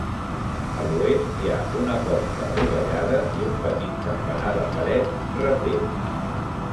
A l'oest hi ha una porta adovellada i un petit campanar de paret, refet.